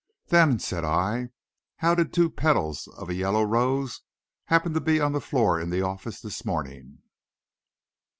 "Then," said I, "how did two petals of a yellow rose happen to be on the floor in the office this morning?"